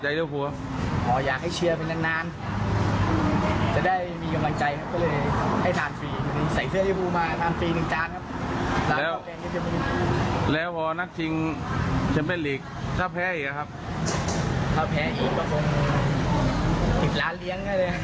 ถ้าแพ้อีกก็คง๑๐ล้านเลี้ยงกันเลย